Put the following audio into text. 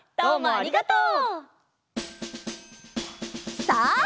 ありがとう！